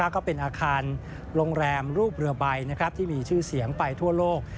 ก็เป็นอาคารโรงแรมรูปเรือใบที่มีชื่อเสียงไปทั่วโลก